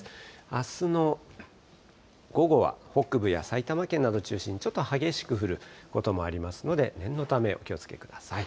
あすの午後は北部や埼玉県などを中心にちょっと激しく降ることもありますので、念のためお気をつけください。